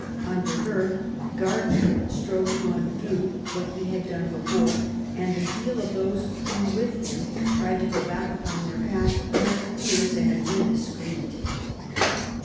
Under her, Gardiner strove to undo what he had done before ; and the zeal of those who with him tried to go back upon their past was fierce and indiscreet.